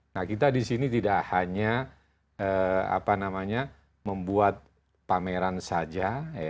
nah kita di sini tidak hanya membuat pameran saja